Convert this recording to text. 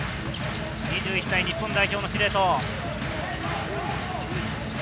２１歳、日本代表の司令塔。